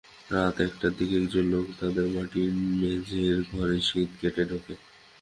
রাত একটার দিকে একজন লোক তাঁদের মাটির মেঝের ঘরে সিঁধ কেটে ঢোকে।